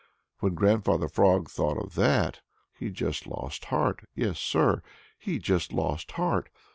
When Grandfather Frog thought of that, he just lost heart. Yes, Sir, he just lost heart.